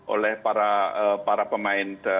oleh para pemain